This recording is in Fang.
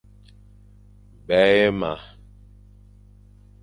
Bèye ma.